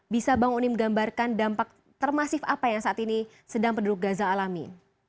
bisa bang onim gambarkan dampak termasif apa yang saat ini sedang penduduk gaza alami